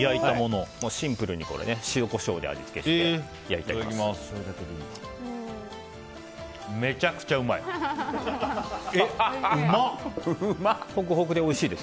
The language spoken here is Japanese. シンプルに塩、コショウで味付けして焼いてあります。